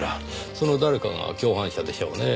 その誰かが共犯者でしょうねぇ。